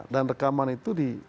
dan rekaman itu di